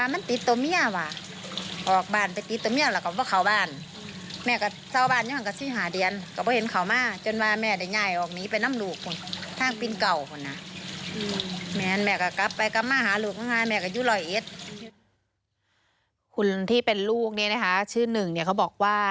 คุณที่เป็นลูกเนี่ยนะคะชื่อหนึ่งเนี่ยเขาบอกว่า